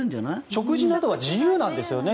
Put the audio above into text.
食事などは自由なんですよね。